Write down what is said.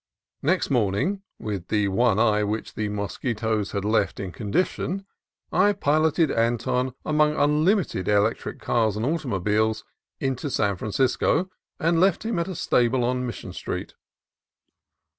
Next morning, with the one eye which the mos quitoes had left in condition, I piloted Anton among unlimited electric cars and automobiles into San Francisco, and left him at a stable on Mission Street.